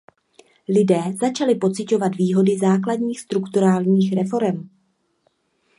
Lidé začali pociťovat výhody základních strukturálních reforem.